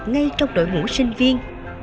ngay trong đội ngũ sinh viên